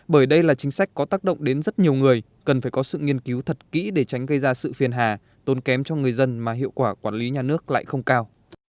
bởi đây là chính sách có tác động đến rất nhiều người cần phải có sự nghiên cứu thật kỹ để tránh gây ra sự phiền hà tôn kém cho người dân mà hiệu quả quản lý nhà nước lại không cao